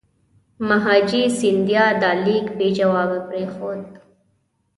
مهاجي سیندیا دا لیک بې جوابه پرېښود.